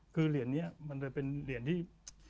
คือเหรียญนี้มันเลยเป็นเหรียญที่